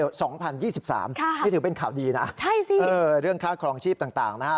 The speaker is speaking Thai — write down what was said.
นี่ถือเป็นข่าวดีนะเรื่องค่าครองชีพต่างนะฮะ